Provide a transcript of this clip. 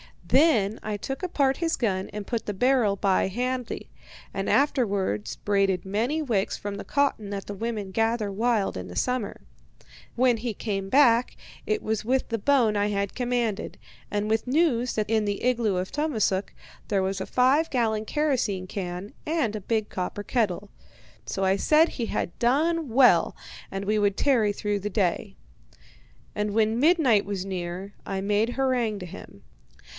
Then I took apart his gun and put the barrel by handy, and afterwards braided many wicks from the cotton that the women gather wild in the summer. When he came back, it was with the bone I had commanded, and with news that in the igloo of Tummasook there was a five gallon kerosene can and a big copper kettle. So I said he had done well and we would tarry through the day. And when midnight was near I made harangue to him.